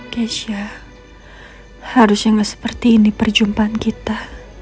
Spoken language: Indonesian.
keisha harusnya nggak seperti ini perjumpaan kita